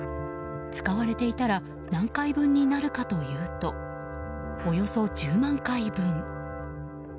使われていたら何回分になるかというとおよそ１０万回分。